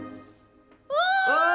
お！